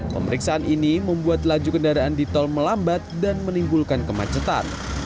pemeriksaan ini membuat laju kendaraan di tol melambat dan menimbulkan kemacetan